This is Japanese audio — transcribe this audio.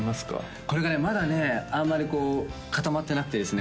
これがねまだねあんまりこう固まってなくてですね